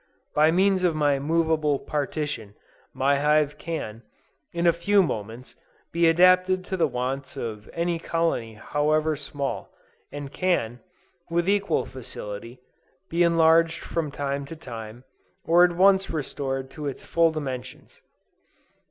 By means of my movable partition, my hive can, in a few moments, be adapted to the wants of any colony however small, and can, with equal facility, be enlarged from time to time, or at once restored to its full dimensions.